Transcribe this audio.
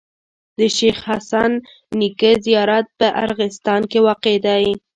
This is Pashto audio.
د شيخ حسن نیکه زیارت په ارغستان کي واقع دی.